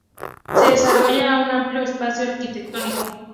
Se desarrolla en un amplio espacio arquitectónico.